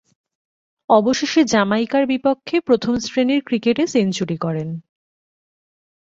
অবশেষে জামাইকার বিপক্ষে প্রথম-শ্রেণীর ক্রিকেটে সেঞ্চুরি করেন।